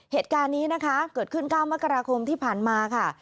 เหตุการณ์นี้นะคะเกิดขึ้น๙มกราคมที่ผ่านมาค่ะ